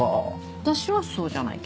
私はそうじゃないけど。